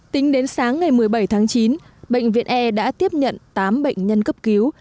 tính đến sáng ngày một mươi bảy tháng chín bệnh viện e đã tiếp nhận tám bệnh nhân cấp cứu